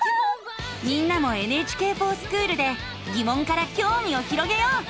みんなも「ＮＨＫｆｏｒＳｃｈｏｏｌ」でぎもんからきょうみを広げよう。